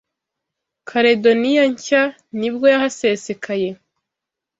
Caledoniya Nshya nibwo yahasesekaye